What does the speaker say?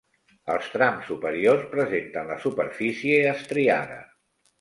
Els trams superiors presenten la superfície estriada.